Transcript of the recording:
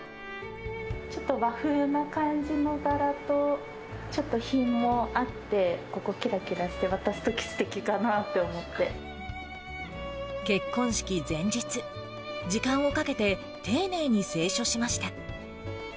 ちょっと和風な感じの柄と、ちょっと品もあって、ここ、きらきらして、渡すときすてきか結婚式前日、時間をかけて、丁寧に清書しました。